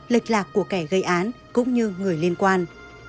lệch lạc của kẻ gây án cũng như người liên quan